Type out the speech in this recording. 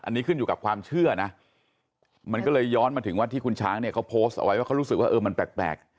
อันนี้ขึ้นอยู่กับความเชื่อนะมันก็เลยย้อนมาถึงว่าที่คุณช้างเนี่ยเขาโพสต์เอาไว้ว่าเขารู้สึกว่าเออมันแปลก